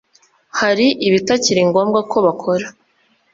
hari ibitakiri ngombwa ko bakora